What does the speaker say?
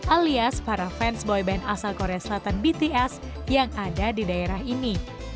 alias para fans boyband asal korea selatan bts yang ada di daerah ini